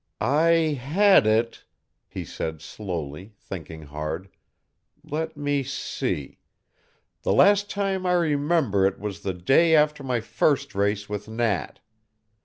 "I had it," he said slowly, thinking hard; "let me see: the last time I remember it was the day after my first race with Nat.